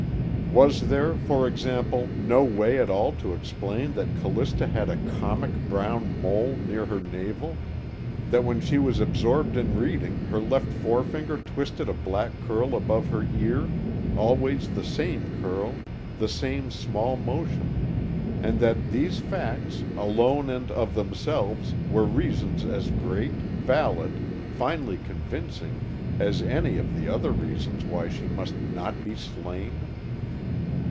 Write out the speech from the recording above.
Was there, for example, no way at all to explain that Callista had a comic brown mole near her navel, that when she was absorbed in reading her left forefinger twisted a black curl above her ear, always the same curl, the same small motion and that these facts, alone and of themselves, were reasons as great, valid, finally convincing, as any of the other reasons why she must not be slain?